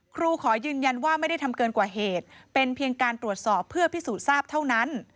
ครูขอยืนยันว่าไม่ได้ทำเกินกว่าเหตุเป็นเพียงการตรวจสอบเพื่อพิสูจน์ทราบเท่านั้น